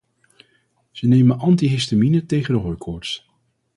Ze namen antihistamine tegen de hooikoorts.